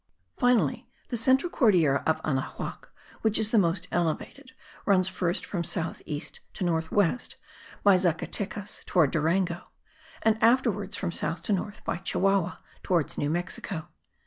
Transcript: Finally, the central Cordillera of Anahuac, which is the most elevated, runs first from south east to north west, by Zacatecas towards Durango, and afterwards from south to north, by Chihuahua, towards New Mexico.